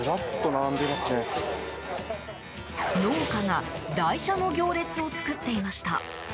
農家が台車の行列を作っていました。